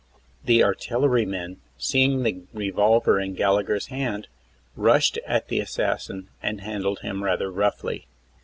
The artillerymen, seeing the revolver in Gallagher's hand, rushed at the assassin and handled him. rather roughly.